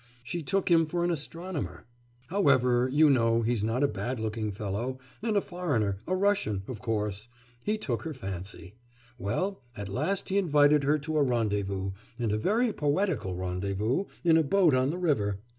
She took him for an astronomer. However, you know he's not a bad looking fellow and a foreigner, a Russian, of course he took her fancy. Well, at last he invited her to a rendezvous, and a very poetical rendezvous, in a boat on the river.